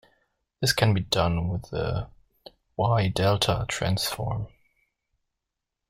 This can be done with the wye-delta transform.